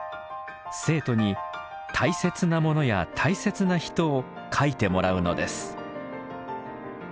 生徒に「たいせつなもの」や「大切な人」を書いてもらうのです。